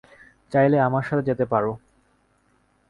চাইলে আমার সাথে যেতে পারো।